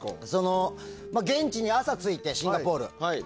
現地に朝着いて、シンガポールに。